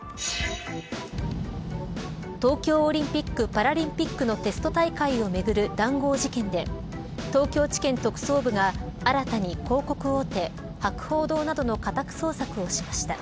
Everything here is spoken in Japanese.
東京オリンピック・パラリンピックのテスト大会をめぐる談合事件で東京地検特捜部が新たに広告大手、博報堂などの家宅捜索をしました。